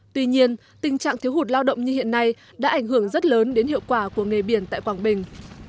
tuy nhiên tình trạng thiếu hụt lao động như hiện nay đã ảnh hưởng rất lớn đến hiệu quả của nghề biển tại quảng bình